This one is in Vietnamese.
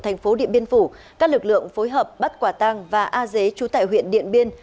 thành phố điện biên phủ các lực lượng phối hợp bắt quả tang và a dế chú tại huyện điện biên